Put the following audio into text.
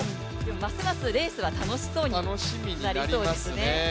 ますますレースは楽しそうになりそうですね。